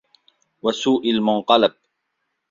وَسُوءِ الْمُنْقَلَبِ